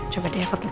coba deh aku ketemu